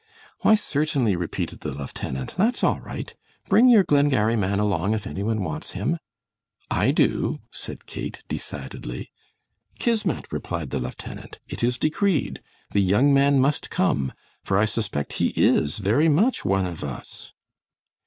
"Why, certainly," repeated the lieutenant. "That's all right. Bring your Glengarry man along if any one wants him." "I do," said Kate, decidedly. "Kismet," replied the lieutenant. "It is decreed. The young man must come, for I suspect he is very much 'one of us.'"